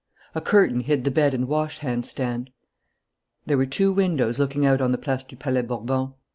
A curtain hid the bed and wash hand stand. There were two windows looking out on the Place du Palais Bourbon.